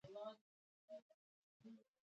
که څوک واک له لاسه ورکړي، ترې سپکه مو نه پرېږدو.